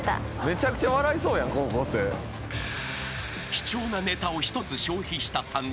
［貴重なネタを１つ消費した３人］